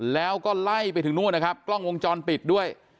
แล้วก็ไล่ไปถึงนู่นนะครับกล้องวงจรปิดด้วย